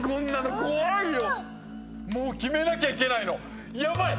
もう決めなきゃいけないの⁉ヤバい！